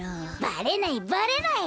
バレないバレない。